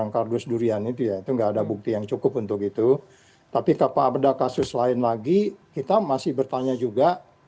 kalau ada kasus lain lagi kita masih bertanya juga